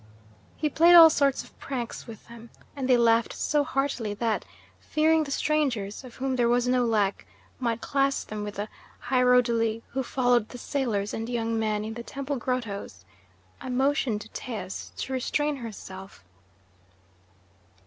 He played all sorts of pranks with them, and they laughed so heartily that, fearing the strangers, of whom there was no lack, might class them with the Hieroduli who followed the sailors and young men in the temple grottoes, I motioned to Taus to restrain herself.